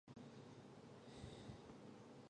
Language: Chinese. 在上有漫画版连载。